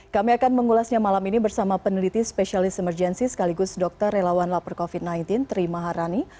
kami akan mengulasnya malam ini bersama peneliti spesialis emergensi sekaligus dokter relawan lapor covid sembilan belas tri maharani